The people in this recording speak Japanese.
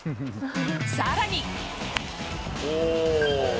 さらに。